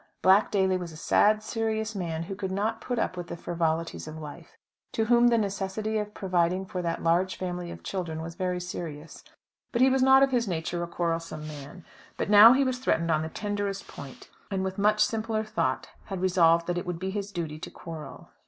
Black Daly was a sad, serious man, who could not put up with the frivolities of life; to whom the necessity of providing for that large family of children was very serious; but he was not of his nature a quarrelsome man. But now he was threatened on the tenderest point; and with much simpler thought had resolved that it would be his duty to quarrel.